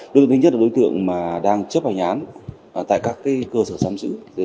đối tượng thứ nhất là đối tượng đang chấp hành án tại các cơ sở giám sử